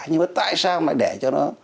nhưng mà tại sao lại để cho nó